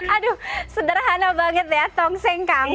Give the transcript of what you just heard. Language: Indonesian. aduh sederhana banget ya tongseng kamu